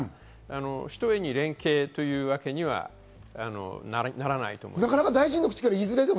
ひとえに連携というわけにはならないと思います。